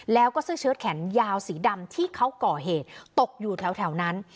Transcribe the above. แล้วก็เสื้อเชิดแขนยาวสีดำที่เขาก่อเหตุตกอยู่แถวนั้น